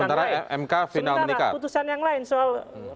sementara mk final menikat sementara putusan yang lain soal